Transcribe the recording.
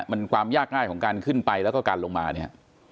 มันความยากง่ายของการขึ้นไปแล้วก็การลงมาเนี่ย